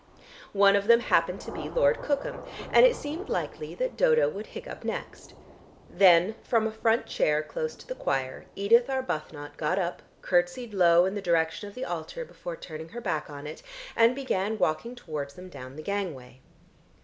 One of them happened to be Lord Cookham, and it seemed likely that Dodo would hiccup next. Then from a front chair close to the choir, Edith Arbuthnot got up, curtsied low in the direction of the altar before turning her back on it, and began walking towards them down the gangway.